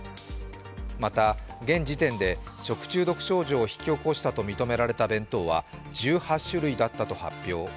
また、現時点で食中毒症状を引き起こしたと認められる弁当は１８種類だったと発表。